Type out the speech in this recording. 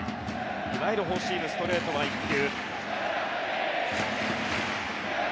いわゆるフォーシームストレートは１球。